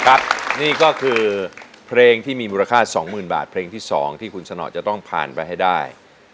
ครับนี่ก็คือเพลงที่มีมูลค่า๒๐๐๐บาทเพลงที่๒ที่คุณสนอจะต้องผ่านไปให้ได้